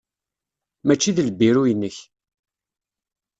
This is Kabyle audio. Mačči d lbiru-inek.